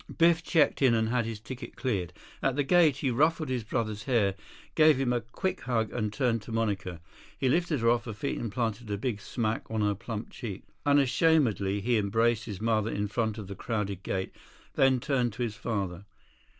Biff checked in and had his ticket cleared. At the gate, he ruffled his brother's hair, gave him a quick hug, and turned to Monica. He lifted her off her feet and planted a big "smack" on her plump cheek. Unashamedly, he embraced his mother in front of the crowded gate, then turned to his father.